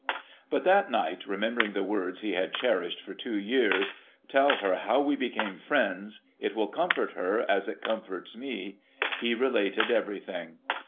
But that night, remembering the words he had cherished for two years, ' Tell her how we became friends. It will comfort her, as it comforts me,' he related everything.